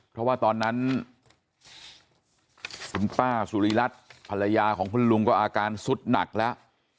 เพราะว่าตอนนั้นคุณป้าสุริรัตน์ภรรยาของคุณลุงก็อาการสุดหนักแล้ว